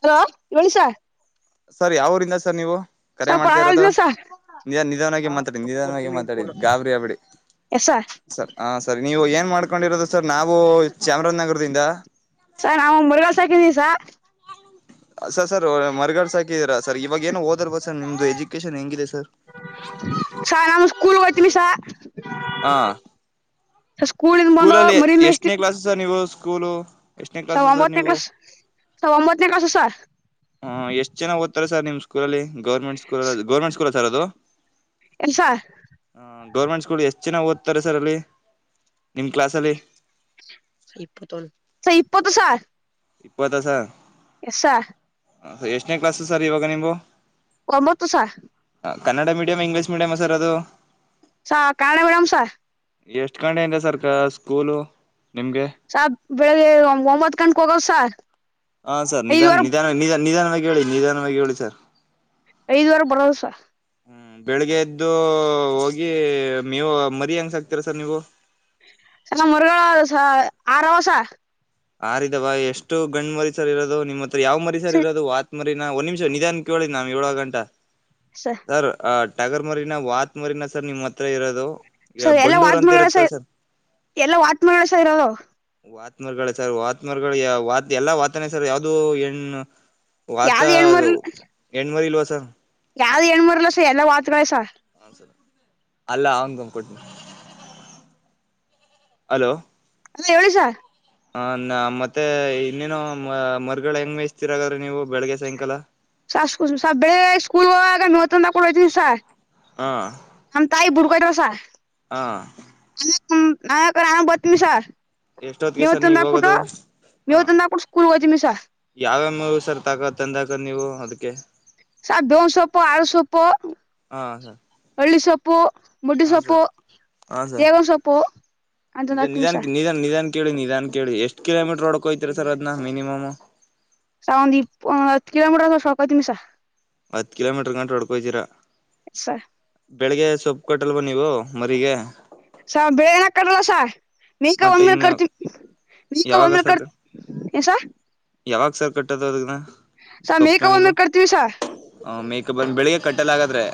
Hello ಇಳಿಸ sir ಯಾವಊರಿಂದ sir ನೀವು ಕರೆ ಮಾಡ್ತಾ ಇರೋದು ಆಗಲ್ನ ಸರ್ ನಿ ನಿಧವನವಾಗಿ ಮಾತಾಡಿ ನಿಧವಾನವಾಗಿ ಮಾತಾಡಿ ಗಾಬರಿ ಹಬಡಿ ಎಸ್ ಸರ್ ಹ ಸರಿ ನೀವು ಏನ್ ಮಾಡ್ಕೊಂಡಿರೋದು ಸರ್ ನಾವು ಚಾಮರಾಜನಗರದಿಂದ ಸ ನಾವು ಮುರುಗಾಳ ಸಾಕಿದೀವಿ ಸ ಸ ಸರ್ ಮರ್ಗಡ್ ಸಾಾಕಿದರಾ ಸರ್ ಇವಾಗ ಏನು ಹೋದರ್ಬ ಸರ್ ನಿಮ್ದು ಎಜುಕೇಶನ್ ಹೆಂಗಿದೆ ಸರ್ ಸಾರ ನಾಮ ಕೂಲ್ಗೋಯ್ತನಿಷ ಹಾ ಸ್ಕೂಲಿಂದ ಬಂದ ಮರಿ ಮೆಸ್ತಿ ಸ್ಕೂಲ್ ಎಷ್ಟನೇ ಕ್ಲಾಸ್ ಸರ್ ನೀವು. ಸರ್ ಒಂಬತ್ತನೇ ಕ್ಲಾಸ್ ಸರ್ ಎಷ್ಟು ಜನ ಓದ್ತಾರೆ ಸರ್ ನಿಮ್ಮ good day government school government school sir ಅದು ಎನ್ ಸರ್ ಗರ್ಮೆಂಟ್ ಸ್ಕೂಲ್ ಎಷ್ಟ ಚೆನ್ನಾಗಿ ಓದುತ್ತಾರೆ ಸರ್ ಅಲ್ಲಿ ನಿಮ್ ಕ್ಲಾಸ್ ಅಲ್ಲಿ ಇಪ್ಪತ್ತು ಸಾರ್ [unintelligible] ಇಪ್ಪ ದಸ ಎಸಾ ಸರ್ ಎಷ್ಟನೇ ಕ್ಲಾಸಸ್ ಸರ್ ಇವಾಗ ನಿ್ು ಕಮತು sir Kannada medium English medium sir ಅದು ಸ ಕಾಣ ಉಡಾಮಸ ಎಷ್ಟ್ ಗಂಡ ಇಿಂದ ಸರ್ಕ ಸ್ಕೂಲು ನಿಮ್ಗೆ ಸ ಬೆಳಿಗ್ಗೆ ಒಂಬತ್ ಗಂಕ್ ಹೋಗವ್ ಸಾರ್ ಹಾ ಸರ್ ನಿಧಾನ ನಿಧಾನ ನಿಧ ನಿಧಾನವಾಗಿ ಹೇಳಿ ನಿಧಾನವಾಗಿ ಹೇಳಿ ಸರ್ ಐದವರೆ ಬರೋದುಸ ಹ್ಮ್ ಬೆಳಿಗ್ಗೆ ಎದ್ದು ಹೋಗಿ ನೀವು ಮರಿ ಹೆಂಗ್ಸಕ್ತಿೀರ ಸರ್ ನೀವು ಚಲ ಮುರುಗಸ ಆರವಸ ಆರಿದ ಬಾ ಎಷ್ಟು ಗಂಡ್ ಮರಿಸರ್ ಇರೋದು ನಿಮ್ಮ ಯಾವ ಮರಿ ಸರ್ ಇರೋದು ಮರಿ ನಾ ಒಂದ ನಿಮಿಷ ನಿಧಾನ ಕೇಳಿದ ನಾವ್ ಏಳ ಗಂಾ ಸರ್ ಸ ಅ ಟಗರ್ ಮರಿನಾ ವಾತ್ ಮರಿನ ಸರ್ ನಿಮ್ ಹತ್ರ ಇರೋದು ಸೊ ಎಲ್ಲ ಬಂಡೂರ್ ವಾತ್ ಅಂತ ಮಾಡೋಳಸ ಇರುತ್ತಲ್ಲ ಸರ್ ಎಲ್ಲ ವಾತ್ ಮಾಡೋಸ ಇರೋದು ನಳ ಸರ್ ವಾತ ಮಾರ್ಗಳ ವಾ ಎಲ್ಲಾ ವಾತನ ಸರ್ ಯಾವ್ದು ಹೆಣ್ಣು ವತ ಯಾವ್ದು ಹೆಣ್ಣು ಅದು ಮರಿ ಹೆಣ್ಮರಿ ಇಲ್ ಸ ಯಾವ್ದ್ ಣ್ಮೂರ್ಲಲ್ಲಸ ಎಲ್ಲ ವಾತಸ ಅಲ್ಲ ಅವಂಗ ಕೊಟ್ನಿ ಅಲೋ ಅಲ್ಲ ಎವಸ ಹ ನ ಮತ್ತೆ ಇನ್ನೇನು ಮರಗಳ ಹೆಂಗ್ ಮೇಸ್ತಿೀರಗ್ರೀ ನೀವು ಬೆಳಿಗ್ಗೆ ಸಾಯಂಕಾಲ ಸ ಸ ಬೆಳ ಸ್ಕೂಲ್ಾಗ ನವತ್ತ ಕೊೊಂಡ ಹಯ್ತೀನಿ ಸ ಹಾ ಕತಸಾ ಹಾ ಹ್ಮ ನಾ ನಾನ ಬರ್ತ್ತನಿ ಸರ್ ಮೇ ಎಷ್ಟೊತ್ತಿಗೆ ಹೊ ಸರ್ ನೀವ್ ತಂದಬಿಟ್ಟು ಹೋಗೋದು ಮ ಹೊ ತಂದಾಗಟ್ಟು ಸ್ಕೂಲ್ಗ ಮಿ ಸರ್ ಮೂರು ಸರ್ ತಾಕ ತಂದಾಕತ್ ನೀವು ಅದ್ಕೆ ಸಾಕ್ ದೋವ್ ಸೊಪ್ಪು, ಆರು ಸೊಪ್ಪು. ಹಾ ಸರ್ ಹಳ್ಳಿ ಸೊಪ್ಪು, ಮುಡ್ಡಿ ಹಾ ಸೊಪ್ಪು, ಸರ್ ದೇಗಂ ಸೊಪ್ಪು. ಅಂತಂದ ನಿನ್ ಹಾಕ್ತೀನಿ ಸ ನಿಧಾನ್ ನಿನ್ ನಿಧಾನ್. ಕೆೇಳು ನಿಧಾನ್ ಕೇಳು ಎಷ್ಟ್ ಕಿಲೋಮೀಟ್ರ್ ಹೊಡ್ಕೋಯ್ತೀರ ಸರ್ ಅದ್ನ ಮಿನಿಮಮ್? ತಕೋತಿವ್ ಸಾ ಹತ್ ಕಿಲೋಮೀಟರ್ ಗಂಟ ಹೊಡ್ಕೊಯ್ತಿರ ಸ ಬೆಳಿಗ್ಗೆ ಸೊಪ್ಪು ಕೊಟ್ಟಲ್ವ ನೀವು ಮರಿಗೆ? ಸ ಬೇನ [unintelligible] ಸ ಮೇಕ ಮತ್ತೆ ಒಂದ ಇನ್ನು ಕಡ್ತೀ, ಮೇಕ ಯಾವಾಗ ಒಂದ ಕ ಏನ್ ಸಾ [inaudible] ಯಾವಗ್ ಸರ್ ಕಟ್ಟೋದು ಅದುನ್ನ? ಸ ಮೇಕ ಬಂದ್ಮೇಲ್ ಕಟ್ ತೀವ್ ಸ ಮೇಕಪ್ ಬಂದು ಬೆಳಿಗ್ಗೆ ಕಟ್ಟಲ್ಲ ಆಗಾದ್ರೆ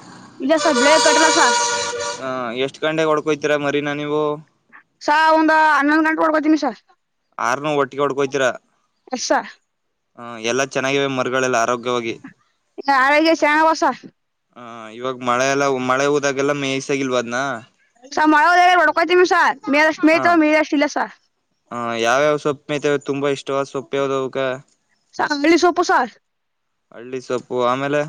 ಇಲ್ಲ ಸ ಬೆಳೆ ಕಟ್ಲಾ ಸ ಗಂಟೆಗ್ ಹೊಡ್ಕೊಯ್ತೀರ ಮರಿನ ನೀವು? ಸ ಒಂದ್ ಹನ್ನೊಂದ್ ಗಂಟೆ ಓದ್ಕೋತಿನಿ ಸರ್. ಆರ್ನುೂ ಒಟ್ಟಿಗೆ ಹುಡ್ಕೋಯ್ತಿರಾ. ಹಸ ಹ ಎಲ್ಲಾ ಚೆನ್ನಾಗಿವೆ ಮರುಗಳೆಲ್ಲ ಆರೋಗ್ಯ ಆರೋಗ್ಯ ಶಾಣ ವಸ ಹ ಇವಾಗ ಮಳೆಯೆಲ್ಲ ಮಳೆ ಹೋದಾಗೆಲ್ಲ ಮೇಯ್ಸಾಗಿಲ್ವಾ ಅದ್ನಾ. ಸರ್ ಮಳೇಲೆನೇ ಹೊಡ್ಕೋತೀನಿ ಸರ್ ಹಾ ಹ ಯಾವ್ಯಾವ ಸೊಪ್ಪ ಮೇತೇ ತುಂಬಾ ಇಷ್ಟ. [unintelligible] ಸೊಪ್ಪ್ಯೆೋಗ ತೋಗಕ ಚಂಗ್ಲಿ ಸೊಪ್ಪು ಸಾರ್ ಹಳ್ಳಿ ಸೊಪ್ಪು ಆಮೇಲೆ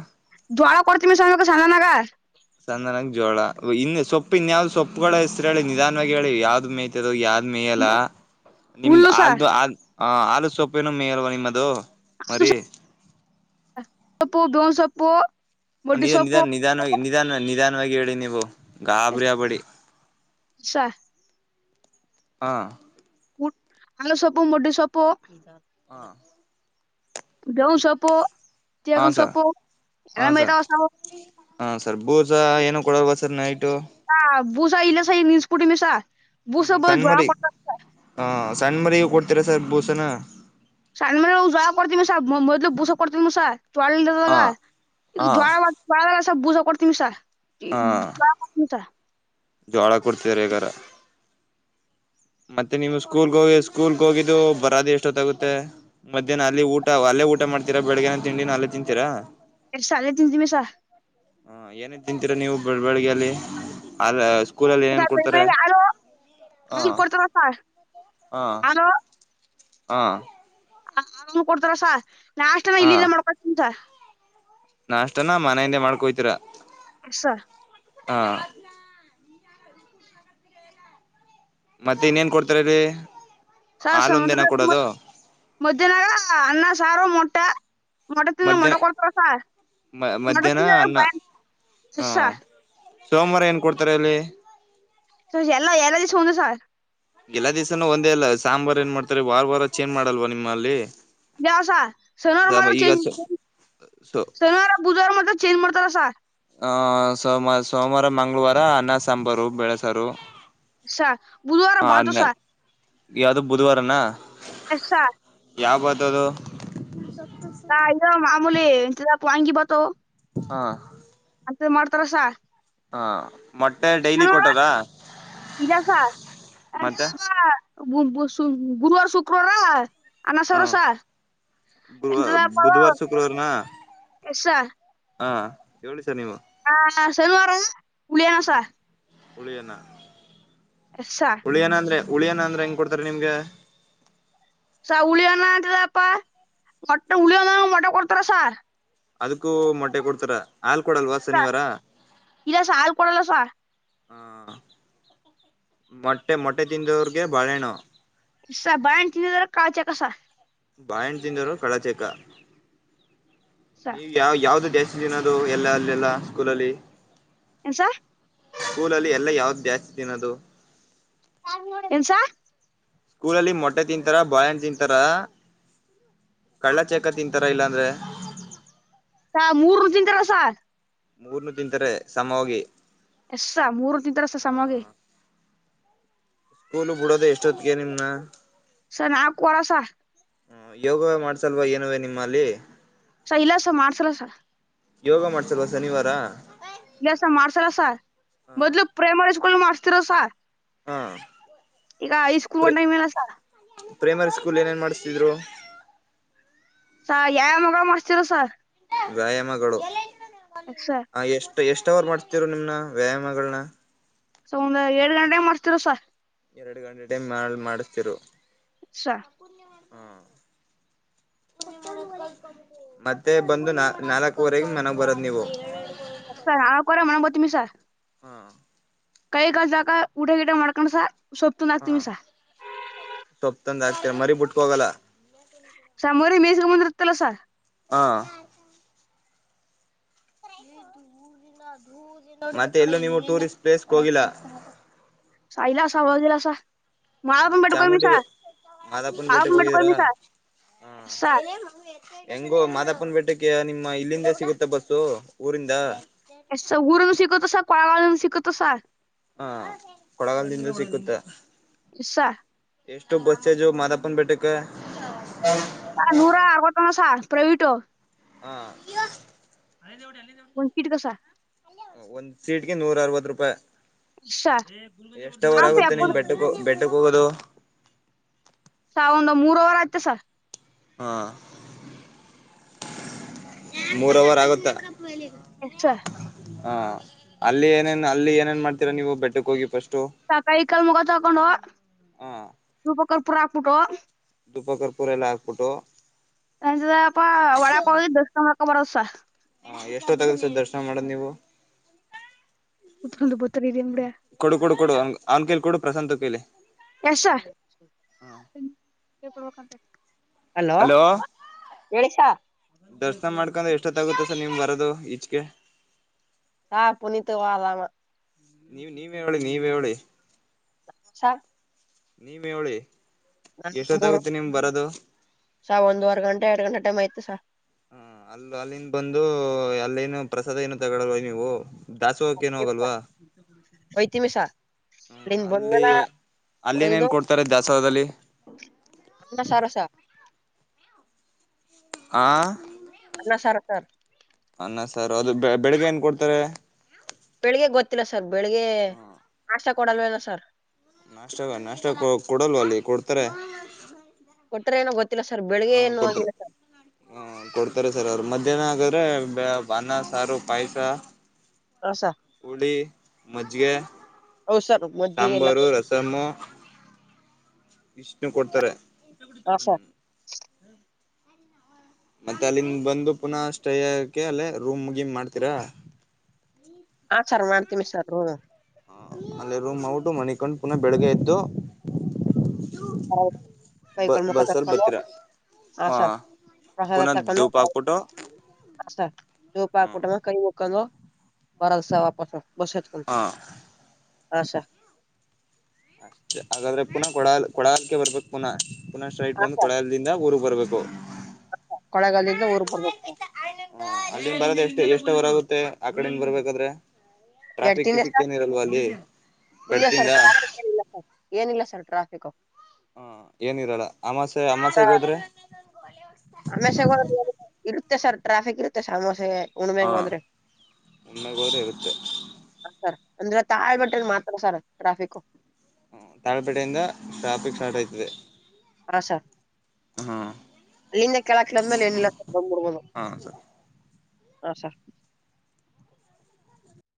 ಜ್ವಾಳ ಕೊಡ್ತೀವ್ ಸಾ ಸಾನ ಮಾಗ [unintelligible] ಚಂದನಾಗ ಜೋಳ ಇನ್ನು ಸೊಪ್ಪ ಇನ್ಯಾವ್ ಸೊಪ್ಪುಗಳ ಹೆಸರ ಹೇಳಿ ನಿಧಾನವಾಗಿ ಹೇಳಿ ಯಾವ್ದ ಮೇತ ಅದ ಯಾರ್ ಮೇಯಲ್ಲ ನಿಮ್ದ್ ಹುಲ್ಲು ಸರ್ ಹಾಲ್ದು ಹಾಲ್ ಹ ಆಲು ಸೊಪ್ಪಿನು ಮೇಯಲ್ವಾ ನಿಮ್ಮದು? ಮರಿ ಪ್ಪ ಸ... [inaudible] ಒ ನಿಧಾನ್ ನಿಧಾನ ನಿಧಾನ್ವಾಗಿ ನಿಧಾನ ನಿಧಾನ ಹಾ ಹೇಳಿ ನೀವು ಗಾಬರಿ ಅಬೇಡಿ. ಸರ್ ಹಾ ಹಲ ಸೊಪ್ಪು ಮೊಡ್ಡಿ ಸೊಪ್ಪು [unintelligible] ಹಾ ಬೇವುನ್ ಸೊಪ್ಪು ಹಾ ತೇಗನ್ ಸರ್ ಸೊಪ್ಪು ಎಲ್ಲ ಹಾ ಸರ್ ಮೇಯ್ತಾವ ಹ ಸರ್ ಬೂಸ ಕೊಡಲ್ವಾ ಸರ್ ನೈಟ್ ಹ ಬೂಸ ಇಲ್ಲಸ ನಿಲ್ಸಿಬಿಟಿವಿ ಸ ಬೂಸ ಹ್ಮ್ ಬದ್ಲು ಸಣ್ಣ ಜ್ವಳ ಮರಿ ಕಾಟವಿ ಸ ಹ ಸಣ್ಣ ಮರಿಗೂ ಕೊಡ್ತೀರಾ ಸರ್ ಬೋಸನ ಸಣ್ಣಮರಿಗು ಜೋಳ ಕೊಡ್ತೀವಿ ಸ ಮೊದಲು ಬೂಸ ಕೊಡ್ತಿದ್ದೀಮು ಸ ಜ್ವಳ ಇಲ್ದಿದಾಗ ಹ ಇದು ಹ ಜ್ವಳ ಜಳ ಎ ಬೂಸ ಕೊಟ್ಟ ತಿಂ ಸ ಹ [unintelligible] ಜೋಳ ಕೊಡ್ತಾರೆ ಅಗರ ಮತ್ತೆ ನಿವು್ ಸ್ಕೂಲ್ಗ ಹೋಗಿ ಸ್ಕೂಲ್ ಹೋಗಿದ್ದು ಬರದ ಎಷ್ಟೊತ್ತಾಗುತ್ತೆ ಮಧ್ಯಾಹ್ನ ಅಲ್ಲಿ ಊಟ ಅಲ್ಲೇ ಊಟ ಮಾಡ್ತೀರಾ ಬೆಳಗ್ನ ತಿಂಡಿ ಅಲ್ಲೇ ತಿಂತೀರಾ ಎ ಸಾ ಆಲೆ ತಿಂತಿಮಿ ಸ ಹ ಏನೇ ತಿಂತೀರಾ ನೀವು ಬೆಳ್ ಬೆಳಗೆಯಲ್ಲಿ ಅಲ್ಲಿ ಸ್ಕೂಲಲ್ಲಿ ಏನೇನ್ ಬೆಳ್ ಕೊಡ್ತಾರೆ ಬೆಳ್ಗೆ ಹಾಲು ಹ ಹಾಲ್ ಕೋಡ್ ಹ ಹ ಹಲೋ ಹ ಆ ಕೊಡ್ತಾರೆ ಸ ನಷ್ಟ ಹ ಇಲ್ಲಿಂದ ಮಾಡ್ಕೊಂಡ್ ಒಯ್ತಿಮಿ ಸ ನಾಷ್ಟನ ಮನೆಯಿಂದೆ ಮಾಡ್ಕೊಒಯ್ತಿರ ಆ ಸ ಹ ಮತ್ತೆ ಇನ್ನೇನ್ ಕೊಡ್ತಾರೆ ಇಲ್ಲಿ ಹಾಲೊಂದೇನ ಕೊಡೋದು [unintelligible] ಸಾರು ಮೊಟ್ಟಾ ಮೊಟ ತಿನ್ ಮಧ್ಯಾಹ್ನ ಮೊಟಕೊಡ್ತಾರಸ ಮ ಮೊಟ ಮಧ್ಯಾಹ್ನ ಅನ್ನ ಬಾಳೆನ್ ಹ ಸೋಮವಾರ ಏನ್ ಅಲ್ಲಿ ಸ ಎಲ್ಲ ಎಲ್ಲ ದ ದಿಸು ಒಂದೇ ಸಾರ್ ಎಲ್ಲ ದಿಸಾ ಒಂದೇ ಅಲ್ಲ ಸಾಂಬಾರ್ ಏನ್ ಮಾಡ್ತಾರೆ ವಾರ ವಾರ ಚೇಜ್ ಮಾಡಲ್ವ ನಿಮ್ಮಲ್ಲಿ ಶನಿವಾರ ಮಾತ್ರ ಚೆಂಜ ಈಗ ಮಾಡ್ತಾರಾ ಸೊ ಶಾನಿವಾರ ಬುಧುವಾರ ಮಾತ್ರ ಚೇಂಜ ಮಾಡ್ತರ್ ಸ ಆ ಸೋಮಾರ ಸೋಮವಾರ ಮಂಗಳವಾರ ಅನ್ನ ಸಾಂಬಾರು ಬೆಳೆಸಾರ ಸಹ ಬುಧವಾರ ಬತ ಸಾರ್ ಯಾವದು ಬುಧವಾರನಾ ಹಾ ಸರ್ ಯಾವ ಬತಅದು [unintelligible] ಮೂಲಿ ಪಾಂಗಿ ಬರ್ತಾವು. ಹಾ ಅಂತ ಮಾಡ್ತಾರಸ. ಹಾ. ಮೊಟ್ಟೆ ಡೈಲಿ ಶನಿವಾರ ಕೊಟಾರ ಇದೆ ಸರ್ ಮತ್ತೆ [unintelligible] ಗುರುವಾರ ಶುಕ್ರವಾರಾ ಅನ್ನ ಹ ಸರಸ ಗುರುವ ಎಂತದ ಪೋ ಬುಧವಾರ ಶುಕ್ರವಾರನ ಎಷ್ಟ್. ಹಾ ಹೇಳಿ ಸರ್ ನೀವು. ಹಾ ಸಲ್ವಾರ. ಹುಲಿಯಂಸ್ ಹುಳಿ ಅನ್ನ. ಸರ್ ಹುಳಿ ಏನಂದ್ರೆ ಉಳಿಯನ ಅಂದ್ರೆ ಹೆಂಗ್ ಕೊಡ್ತಾರೆ ನಿಮ್ಗೆ ಸ ಹುಳಿಯಣ ಅಂತಿದಪ್ಪ ಮೊಟ್ಟೆ ಹುಳಿಯನ ಮೊಟ್ಟೆ ಕೊಡ್ತಾರಸ ಅದಕ್ಕೂ ಮೊಟ್ಟೆ ಕೊಡ್ತಾರ. ಹಾಲ್ ಕೊಡಲ್ವಾ ಶನಿವಾರ ಇಲ್ಲಸ ಹಾಲ್ ಕೊಡಲ್ಲಸ ಹಾ ಮೊಟ್ಟೆ ಮೊಟ್ಟೆ ತಿಂದವ್ರಗೆ ಬಾಳೆಣ ಸರ್ ಬಾಳೆ ಹಣ್ಣ ತಿಂದಿದ್ರ ಕಾಳ್ ಚೇಕ್ ಸರ್. ಬಾಳೆ ಹಣ್ಣ ತಿಂದರು ಕಳಚೇಕ. ಸ ನೀವು ಯಾವ ಯಾವ್ದು ಜಾಸ್ತಿ ತಿನ್ನೋದು ಎಲ್ಲಾ ಅಲ್ಲೆಲ್ಲ ಸ್ಕೂಲಲ್ಲಿ. ಏನ್ ಸ ಸ್ಕೂಲಲ್ಲಿ ಎಲ್ಲೇ ಯಾವ್ದ್. ಜಾಸ್ತ್ ದಿನದು. ಎಲ್ಸ ಸ್ಕೂಲಲ್ಲಿ ಮೊಟ್ಟೆ ತಿಂತಾರ ಬಾಳೆ ಹಣ್ಣ ತಿಂತಾರ ಕಳ್ಳ ಚೆಕ್ಕ ತಿಂತಾರ ಇಲ್ಲಾಂದ್ರೆ. ಸ ಮೂರು ತಿಿಂದ ರಸ ಮೂರ್ನು ತಿಂತಾರೆ ಸಮ ಹೋಗಿ ಎಸ್ ಸರ್ ಮೂರ್ ತಿಂತರೆ ಸಾಮಾಗ್ರಿ ಅಯ್ತಿ. ಸ್ಕೂಲು ಬಿಡೋದು ಎಷ್ಟೊತ್ತಿಗೆ ನಿಮ್ನ. ಸ ನಾಲ್ಕ ವರಸ ಹ ಯೋಗ ಮಾಡ್ಸಲ್ವ ಏನುವೇ ನಿಮ್ಮಲ್ಲಿ ಸ ಇಲ್ಲ ಸ ಮಾಡ್ಸರಸ ಯೋಗ ಮಾಡ್ಸಲ್ವಾ ಶನಿವಾರ. ಇಲ್ಲ ಸ ಹ ಕ ಮಸ್ತಿರ ಸಾ ಹ್ಮ ಈಗ ಹೈಸ್ಕೂಂಡ್ [unintelligible] ಪ್ರೈಮರಿ ಸ್ಕೂಲ್ ಏನೇನ್ ಮಾಡಿಸ್ತಿದ್ರು. ಸ ಯಾವ್ ಯಾವ್ ವ್ಯಾಯಾಮ ಮಾಡಿಸ್ತೀರಾ ಸರ್. ವ್ಯಾಯಾಮಗಳು ಅಸಾ ಹ ಎಷ್ಟ್ ಎಷ್ಟ್ ಅವರ್ ಮಾಡ್ತಿರ ನಿಮ್ನ ವ್ಯಾಯಾಮಗಳ್ನ ಸೌ್ರ ಏಳ ಗಂಟೆಗೆ ಮಾಡ್ತಿೀರ ಸ ಎರಡು ಗಂಟೆ ಟೈಮ್ ಮಾಡ ಮಾಡಸ್ತಿರು ಸ ಹಾ ಪೂರ್ಣ್ಯ ಮಾಡ್ ಹ್ಮ ಮತ್ತೆ ಬಂದು ನಾ ನಾಲ್ಕುವರೆಗೆ ಮನೆಗ್ ಬರದ್ ನೀವು ಸ ನಾ ಕೊರ ಮಂಬತ್ತೀ ಮಿ ಸರ್ ಹಾ ಕೈಗಾ ಜಕ ಊಟ ಗಿಟ ಮಾಡ್ಕೊಂಡ್ ಸಾ ಹಾ ಸೊಪ್ತಂದಾಕ್ ಮರೀ ಬುಟ್ಕೊಗಲ್ಲ ಸಮ್ರ ಮೇಸ ಮುಂದ ತ್ತಲಸರ್ ಹಾ ಮತ್ತೆ ಎಲ್ಲೂ ನೀವು ಟೂರಿಸ್ಟ್ ಪ್ಲೇಸ್ಗ್ ಹೋಗಿಲ್ಲ ಸಾ ಇಲ್ಲ ಸಾರ್ ಹೋಗಿಲ್ಲ ಸಾ ಹ ಮಾದಪ್ಪನ್ ಬೆಟ್ಕ್ ಹೋಗಿವ್ನಿ ಚಾಮುಂಡಿ ಸಾರ್, ಮಾದಾಪುನ್ ಬೆಟ್ಟಕ್ಕೆ ಮಾದಪ್ಪನ್ ಬೆಟ್ಕ್ ಹೋಗಿದೀರಾ ಹೋಗಿವ್ನಿ ಸಾರ್, ಹ ಸಾರ್ ಹೆಂಗೋ ಮಾದಪ್ಪನ ಬೆೇಟಕ ನಿಮ್ಮ ಇಲ್ಲಿಂದ ಸಿಗುತ್ತೆ ಬಸ್ಸು ಊರಿಂದ ಎಷ್ಟ ಊರು ಸಿಗುತ್ತ ಸ ಕೊಳಗ ಸಿಕ್ಕುತ್ತ ಸರ್ ಹಾ ಕೊಡಗಲ್ದಿಂದ ಸಿಕ್ಕುತ್ತ ಇಸ ಎಷ್ಟು ಬಸ್ ಚಾರ್ಜು ಮಾದಪ್ಪನ್ ಬೆೇಟ್ಟುಕ್ಕೆ? ಸಾರ್ ನೂರ ಅರ್ವತ್ತೊಂದು ಸಾ ಪ್ರವಟ ಹಾ ಒಂದ್ ಸೀಟ್ಗ ಸ [inaudible] ಒಂದ್ ಸೀಟ್ಗೆ ನೂರ ಅರವತ್ತು ರೂಪಾಯಿ ಎಸ್ ಸ ಎಷ್ಟವರ ಕಾಫಿ ಆಗುತ್ತೆ ನಿನ್ ಎಪ್ಪತ್ತು ಬೆಟ್ಟ ಬೆಟ್ಟ ಎದ ಸ ಒಂದು ಮೂರ್ ಅವವರ್ ಆಯ್ತ ಸ ಹಾ ಮೂರವರ್ ಆಗುತ್ತಾ ಎಸ್ [inaudible] ಹ ಅಲ್ಲಿ ಏನೇನ್ ಅಲ್ಲಿ ಏನೇನ್ ಮಾಡ್ತೀರಾ ನೀವು ಬೆಟ್ಟಕ್ ಹೋಗಿ ಫಸ್ಟ್ ಸಾ ಕೈಯಿ ಕಲ್ ಮುಕ ತೊಳ್ಕೊನ್ಡೂ ಹಾ [unintelligible] [unintelligible] ತುಪ್ಪ ಕರ್ಪೂರೆ ಎಲ್ಲ ಹಾಕ್ಬಿಟ್ಟು ಎಂಪ್ಪ ಒಳಕ ದಶಕನ್ ಹಕ ಬರೋದಸ ಎಷ್ಟೊ ತಗಲ್ಸ ದರ್ಶನ ಮಾಡದು್ ನೀವು ಬತರಿ ಕೊಡು ಕೊಡು ಕೊಡು ಹಂಗ ಅವ್ನ್ ಕೇಲಿ ಕೊೂಡು ಪ್ರಶಾಂತ ಕಲಿ ಕೆಸ ಹಲೋ ಎಲೀಷಾ ದರ್ಶನ ಮಾಡ್ಕೊಂಡ್ರೆ ಎಷ್ಟೊತ್ತಾಗುತ್ತೆ ಸರ್ ನಿಮ್ ಬರೋದು ಈಚ್ಗೆ ಹಾ ಪುನಿತ್ ವಲಾಮ ನೀವ ನೀವ್ ಹೇಳಿ ನೀವ್ ಹೇಳಿ ಅಾ ನೀವೇ ಹೇಳಿ ಎಷ್ಟೊತ್ತಾಗುತ್ತೆ ನಿಮ್ ಬರೋದು ಒಂದುವರೆ ಗಂಟೆ ಎರಡು ಗಂಟೆ ಟೈಮ್ ಆಯ್ತು ಸರ್ ಹ ಅಲ್ಲ ಅಲ್ಲಿಂದ ಬಂದು ಅಲ್ಲಿೇನು ಪ್ರಸಾದ ಏನು ತಗಳಲ್ವ ನೀವು ದಾಸೋಹಕ್ಕ ಏನ್ ಹೋಗಲ್ವಾ ಒಯ್ತೀಮಿ ಸಾ ಅಲ್ಲಿಂದ ಅಲ್ಲಿ ಬಂದ್ಮೇಲ ಅಲ್ಲಿ ನೇನ್ ಒಯ್ದು ಕೊಡ್ತಾರೆ ದಾಸೋಹದಲ್ಲಿ ಅನ್ನ ಸಾರ ಸರ್ ಆ ಅನ್ನ ಸಾರ ಸರ್ ಅಣ ಸರ್ ಅದು ಬೆಳಿಗ್ಗೆ ಏನ್ ಕೊಡ್ತಾರೆ ಬೆಳಿಗ್ಗೆ ಗೊತ್ತಿಲ್ಲ ಸರ್ ಬೆಳಿಗ್ಗೆ ನಾಷ್ಟ ಕೊಡಲು ವದ ಸರ್ ನಾಷ್ಟ ನಾಷ್ಟ ಕೊಡಲ್ವ ಅಲ್ಲಿ ಕೊಡ್ತಾರೆ ಕೊಟ್ರ ನೋ ಗೊ ಹಾ ಕೊಟ್ಟಾರೆ ಹ ಕೊಡ್ತಾರೆ ಸರ್ ಅವ್ರ ಮ ನಗ್ರ ಭಾನ ಸಾರು ಪಾಯಸ ಹಾ ಸರ್ ಹುಲಿ ಮಜ್ಜಿಗೆ ಹೌದು ಸರ್ ಮಜ್ಜಿಗೆ ಎಲ್ಲ ಸಾಂಬಾರು ರಸಮು ಇಷ್ಟು ಕೊಡ್ತಾರೆ ಹ ಹ್ಮ್ ಹಾ ಮತ್ತೆ ಅಲ್ಲಿಂದ ಬಂದು ಪುನಃ ಸ್ಟೇ ಯಕೆ ಅಲ್ಲೇ ರೂಮ್ ಮುಗಿಮ ಮಾಡ್ತೀರಾ ಹಾ ಸರ್ ಮಾಡ್ತೀನಿ ಸರ್ ಹ ಅಲ್ಲಿೆ ರೂಮ್ ಔಟು ಮನಿಕಂಡು ಪುನಃ ಬೆಳಗ್ ಎ್ದು ಕೈ ಕಳ ಮುಖ ತಕ್ಕ ಬರ್ತೀರಾ ಹಾ ಆಸಾ ಪ್ರಸಾದ ಪುನಃ ತಕ್ಕೊಂಡ ಧೂಪ ಹಾಕ್ಬಿಟ್ಟು ಆಸ ಹ್ಮ ಚೋಪಾಟ್ಟ ಕೈ ಕ ವರದಸ ವಾಪಸ ಬಸತ್ಕ ಹಾ ಆ ಸ ಅಷ್ಟೆ ಹಾಗಾದ್ರೆ ಪುನಃ ಕೊಡಲ್ ಕೊಡಲ್ಕ ಬರ್ಬೇಕಕ್ ಪುನಃ ಪುಃ ಸ್ಟೈಟ್ ಬಂದು ಕೊಡಲ್ದಿಂದ ಊರು ಬರ್ಬೇಕು ಬೊ ಕೊಳ್ಳೇಗಾಲಿಂದ ಊರಿಗೆ ಬರಬೇಕು ಹ ಅಲ್ಲಿನ್ ಬರದ ಎಷ್ಟ್ ಎಷ್ಟ ವರ ಆಗುತ್ತೆ ಆ ಕಡಿಂದ ಬರ್ಬೇಕಾದ್ರೆ ಟ್ರಾಫಿಕ್ ಗಡ್ತಿಂದೆ ಗಿಫಿಕ್ ಸರ್ ಏನಿರಲ್ವಾ ಅಲ್ಲಿ ಇಲ್ಲ ಬೆಡ್ತಿಂದ ಸರ್ ಟ್ರಾಫಿಕ್ ಏನಲ್ಲ ಸರ್ ಏನಿಲ್ಲ ಸರ್ ಟ್ರಾಫಿಕ್ ಹಾ ಏನಿರಲ್ಲ ಅಮ್ಮ ಸಾಯ ಅಮ್ಮ ಸಹಿಗೆ ಹೋದ್ರೆ ಅಮೇಶಾಗ ಹೋದ್ರೆ ಇರುತ್ತೆ ಸರ್ ಟ್ರಾಫಿಕ್ ಇರುತ್ತೆ ಸಮೋಸೆ ಹಾ ಉಣ್ಣೆಗೆ ಹೋದ್ರೆ ಇರುತ್ತೆ ಸರ್ ಅಂದ್ರೆ ತಾಯ ಬಟನ್ ಮಾತ್ರ ಸರ್ ಟ್ರಾಫಿಕ್ ಹ ತಾಳಪೇಟೆಯಿಂದ ಟ್ರಾಫಿಕ್ ಸ್ಟಾರ್ಟ್ ಆಯ್ತದೆ ಹಾ ಸರ್ ಹಾ ಅಲ್ಲಿಂದ ಕಿಳ ಕಿಳ್ಮೇಲೆ ಎನ್ನಲ್ಲ ಬಂದ್ ಬಿಡಬಹುದು ಹಾ ಸರ್. ಹಾ ಸರ್